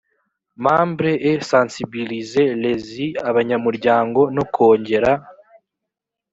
membres et sensibiliser les y abanyamuryango no kongera